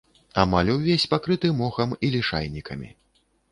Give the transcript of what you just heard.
Амаль увесь пакрыты мохам і лішайнікамі.